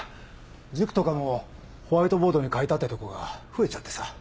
塾とかもホワイトボードに替えたってとこが増えちゃってさ。